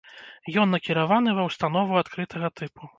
Ён накіраваны ва ўстанову адкрытага тыпу.